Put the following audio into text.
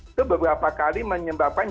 itu beberapa kali menyebabkan